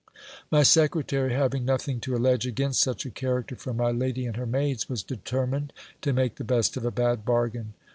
My secretary, having nothing to allege against such a character from my lady and her maids, was determined to make the best of a bad bargain.